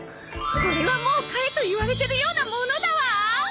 これはもう買えと言われてるようなものだわ！